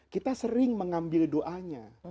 kita sering mengambil doanya